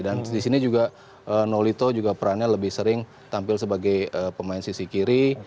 dan di sini juga nolito perannya lebih sering tampil sebagai pemain sisi kiri